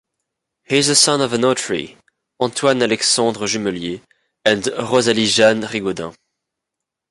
He is the son of a notary, Antoine Alexandre Jullemier, and Rosalie Jeanne Rigaudin.